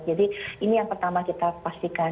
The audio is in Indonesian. jadi ini yang pertama kita pastikan